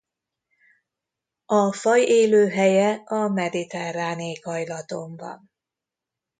A faj élőhelye a mediterrán éghajlaton van.